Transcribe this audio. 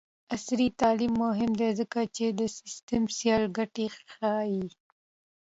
عصري تعلیم مهم دی ځکه چې د سټیم سیل ګټې ښيي.